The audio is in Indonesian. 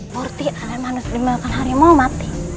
murti alam manusia dimiliki harimau mati